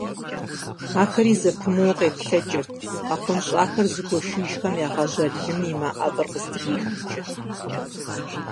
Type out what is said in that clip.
Ахэри зэпымыууэ къеплъэкӀырт къахъунщӀахэр зыгуэшыжхэм ягъажьэ лым и мэ ӀэфӀыр къыздрихымкӀэ.